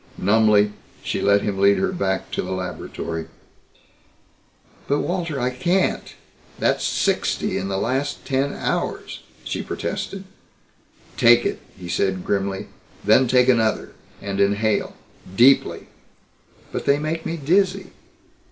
Numbly she let him lead her back to the laboratory. "But, Walter I can't. That's sixty in the past ten hours!" she protested. "Take it," he said grimly, "then take another. And inhale. Deeply." "But they make me dizzy."